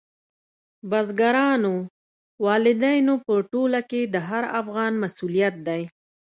بزګرانو، والدینو په ټوله کې د هر افغان مسؤلیت دی.